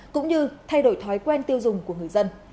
cũng như thay đổi thói quen tiêu dùng của người dân